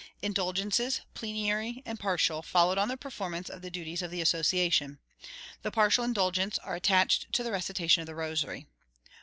Indulgences, plenary and partial, follow on the performance of the duties of the Association. 'The partial indulgences are attached to the recitation of the rosary.